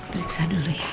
periksa dulu ya